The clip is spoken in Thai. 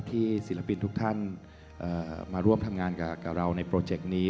ศิลปินทุกท่านมาร่วมทำงานกับเราในโปรเจกต์นี้